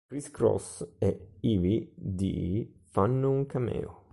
Kris Kross e Heavy D fanno un cameo.